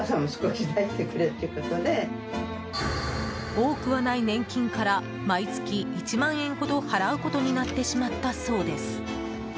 多くはない年金から毎月１万円ほどを払うことになってしまったそうです。